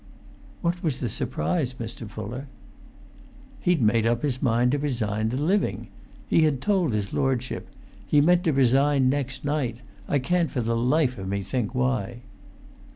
"What was the surprise, Mr. Fuller?" "He'd made up his mind to resign the living! He had told his lordship. He meant to resign next night—I can't for the life of me think why!"